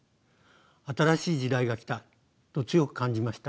新しい時代が来たと強く感じました。